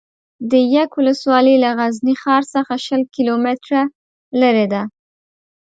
ده یک ولسوالي له غزني ښار څخه شل کیلو متره لري ده